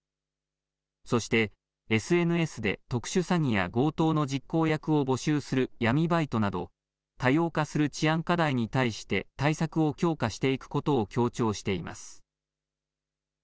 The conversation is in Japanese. そしてＳＮＳで特殊詐欺や強盗の実行役を募集する闇バイトなど多様化する治安課題に対して対策を強化していくことを強調しています。